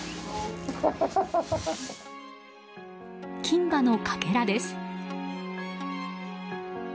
金歯のかけらです。